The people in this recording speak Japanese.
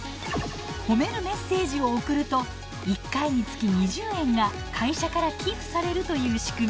褒めるメッセージを送ると１回につき２０円が会社から寄付されるという仕組み。